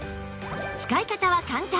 使い方は簡単